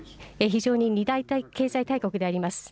非常に２大経済大国であります。